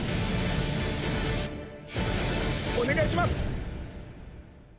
お願いします！